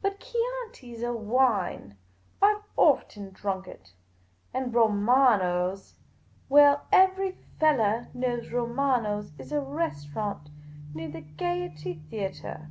But Chianfi 's a wine ; I 've often drunk it ; and Romano's — well, ever}' fellah knows Romano's is a restau rant near the Gaiety Theatre."